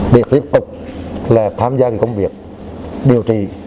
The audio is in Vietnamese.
để liên tục là tham gia cái công việc điều trị